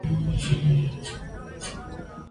که ښځه زده کړه وکړي، نو کورنۍ ته نوې فرصتونه پیدا کېږي.